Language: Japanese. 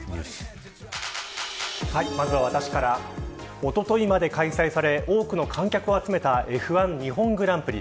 まずは私からおとといまで開催され多くの観客を集めたＦ１日本グランプリ。